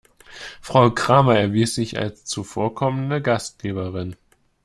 Frau Kramer erwies sich als zuvorkommende Gastgeberin.